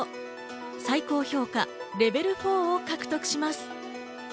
最高評価レベル４を獲得します。